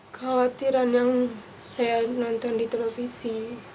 kekhawatiran yang saya nonton di televisi